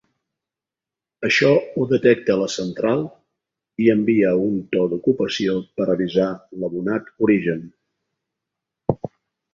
Això ho detecta la central i envia un to d'ocupació per avisar l'abonat origen.